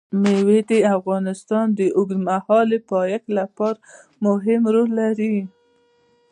مېوې د افغانستان د اوږدمهاله پایښت لپاره مهم رول لري.